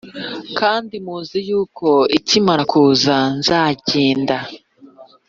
kandi muzi yuko ikimara kuza nzagenda